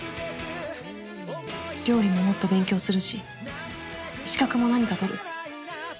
料理ももっと勉強するし資格も何か取る。